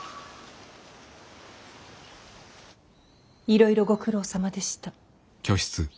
いろいろご苦労さまでした。